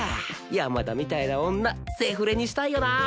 山田みたいな女セフレにしたいよなあ。